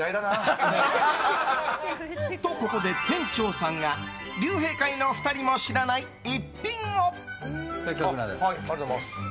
と、ここで店長さんが竜兵会の２人も知らない逸品を！